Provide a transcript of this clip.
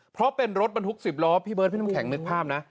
เพราะเป็นรถบรรทุก๑๐ล้อพี่เบิร์ดพี่น้ำแข็งนึกภาพนะ